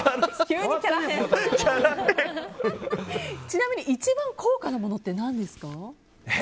ちなみに、一番高価なものって何ですか？